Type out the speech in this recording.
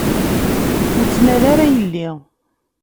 Ur ttnal ara yelli!